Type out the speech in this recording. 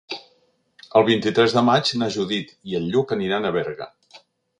El vint-i-tres de maig na Judit i en Lluc aniran a Berga.